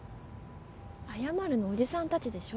謝るの、おじさんたちでしょ。